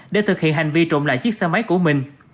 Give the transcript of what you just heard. để thực hiện hành vi trộm lại chiếc xe máy của mình